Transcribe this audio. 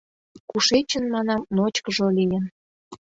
— Кушечын, манам, ночкыжо лийын?